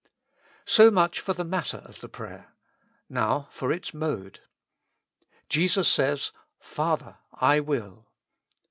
So much for the matter of the prayer. Now for its mode. Jesus says, "Father! I will."